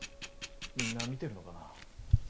みんな見てるのかな？